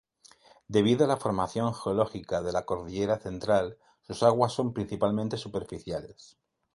Debido a la formación geológica de la Cordillera Central, sus aguas son principalmente superficiales.